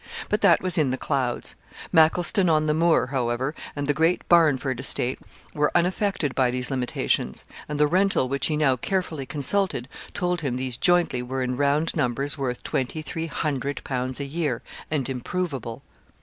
But that was in the clouds. Mackleston on the Moor, however, and the Great Barnford estate, were unaffected by these limitations; and the rental which he now carefully consulted, told him these jointly were in round numbers worth 2,300_l._ a year, and improvable.